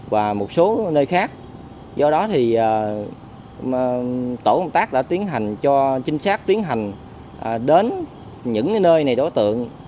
và một số nơi khác do đó thì tổ công tác đã tiến hành cho chính xác tiến hành đến những nơi này đối tượng